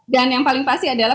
dan yang paling pasti adalah